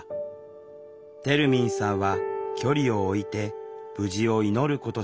てるみんさんは距離を置いて無事を祈ることしかできなかった。